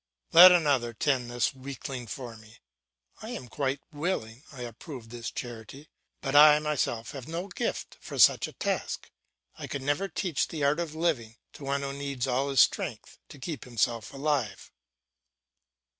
Let another tend this weakling for me; I am quite willing, I approve his charity, but I myself have no gift for such a task; I could never teach the art of living to one who needs all his strength to keep himself alive.